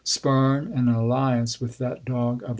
Spurn an alliance with that dog of a Karar.